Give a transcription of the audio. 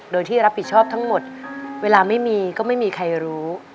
โดยที่รับผิดชอบทั้งหมดเวลาไม่มีก็ไม่มีใครรู้